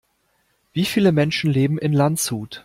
Wie viele Menschen leben in Landshut?